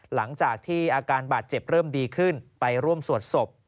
หลังจากที่อาการบาดเจ็บเริ่มดีขึ้นไปร่วมสวดศพ